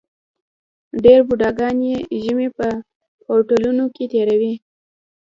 ډېر بوډاګان یې ژمی په هوټلونو کې تېروي.